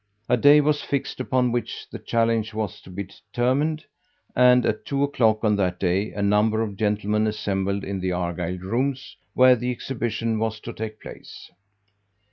A day was fixed upon which the challenge was to be determined, and at two o'clock on that day, a number of gentlemen assembled in the Argyle rooms, where the exhibition was to take place.